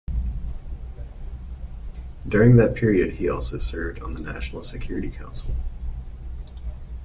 During that period, he also served on the National Security Council.